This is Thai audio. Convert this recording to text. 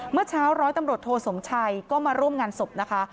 เมื่อเช้าร้อยตำรวจโทสมชัยก็มาร่วมงานศพนะคะ